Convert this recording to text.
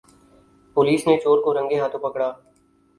police نے چور کو رنگے ہاتھوں پکڑا